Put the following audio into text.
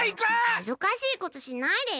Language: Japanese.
はずかしいことしないでよ。